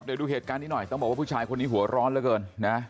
เดี๋ยวดูเหตุการณ์นี้หน่อยต้องบอกว่าผู้ชายคนนี้หัวร้อนเหลือเกินนะ